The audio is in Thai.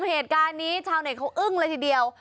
เหตุการณ์นี้เจ้าเน็ตเขเลยทีเดียว